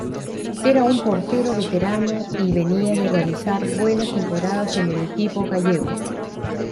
Era un portero veterano y venía de realizar buenas temporadas en el equipo gallego.